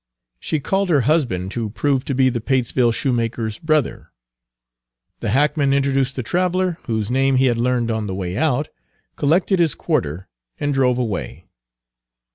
She called her husband, who proved to be the Patesville shoemaker's brother. The hackman introduced the traveler, whose name he had learned on the way out, collected his quarter, and drove away.